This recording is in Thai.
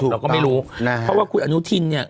เราก็ไม่รู้เพราะว่าคุณอนุทินเนี่ย